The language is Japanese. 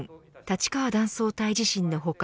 立川断層帯地震の他